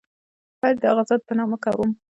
پیل د هغه ذات په نامه کوم.